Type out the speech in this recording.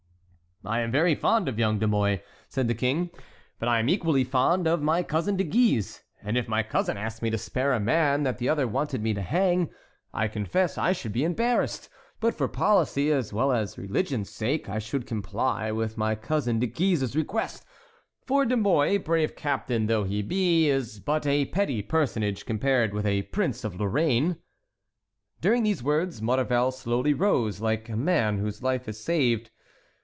"I am very fond of young De Mouy," said the King; "but I am equally fond of my cousin De Guise; and if my cousin asked me to spare a man that the other wanted me to hang, I confess I should be embarrassed; but for policy as well as religion's sake I should comply with my cousin De Guise's request, for De Mouy, brave captain though he be, is but a petty personage compared with a prince of Lorraine." During these words, Maurevel slowly rose, like a man whose life is saved.